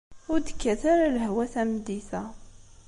Ur d-tekkat ara lehwa tameddit-a.